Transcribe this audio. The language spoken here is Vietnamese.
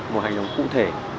một hành động cụ thể